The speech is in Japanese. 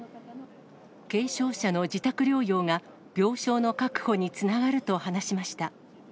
軽症者の自宅療養が、病床の確保につながると話しました。